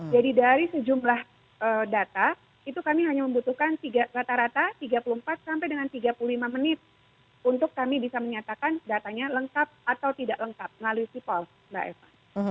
jadi dari sejumlah data itu kami hanya membutuhkan rata rata tiga puluh empat sampai dengan tiga puluh lima menit untuk kami bisa menyatakan datanya lengkap atau tidak lengkap melalui sipol mbak eva